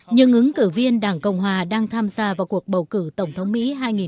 nhưng ứng cử viên đảng cộng hòa đang tham gia vào cuộc bầu cử tổng thống mỹ hai nghìn một mươi sáu